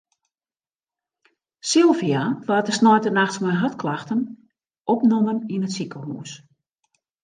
Sylvia waard de sneintenachts mei hartklachten opnommen yn it sikehûs.